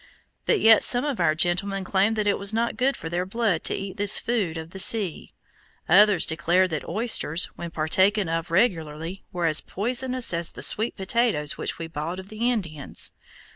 But yet some of our gentlemen claimed that it was not good for their blood to eat this food of the sea; others declared that oysters, when partaken of regularly, were as poisonous as the sweet potatoes which we bought of the Indians.